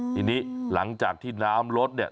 ทีนี้หลังจากที่น้ำลดเนี่ย